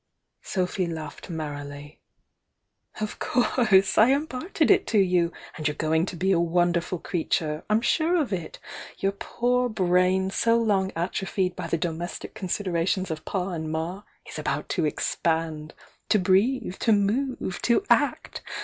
Sophy laughed merrily. "Of course! I imparted it to you! and you're go ing to be a wonderful creature!— I'm sure of it! Your poor brain,— so long atrophied by the domes tic considerations of Pa and Ma, is about to ex pand! — to breathe! — to move! — to act!